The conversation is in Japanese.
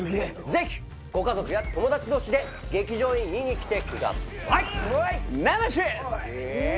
ぜひご家族や友達同士で劇場に見に来てください！